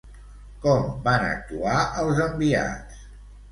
Com van actuar els enviats?